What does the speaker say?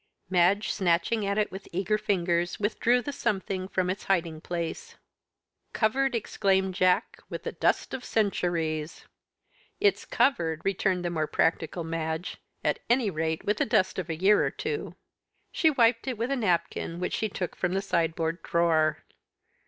Madge, snatching at it with eager fingers, withdrew the something from its hiding place. "Covered," exclaimed Jack, "with the dust of centuries!" "It's covered," returned the more practical Madge, "at any rate with the dust of a year or two." She wiped it with a napkin which she took from the sideboard drawer.